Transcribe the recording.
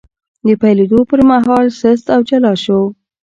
د پیلېدو پر مهال سست او جلا شو،